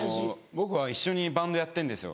僕は一緒にバンドやってんですよ